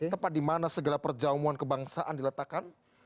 tempat dimana segala perjamuan kebangsaan diletakkan